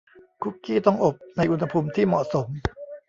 คุกกี้ต้องอบในอุณหภูมิที่เหมาะสม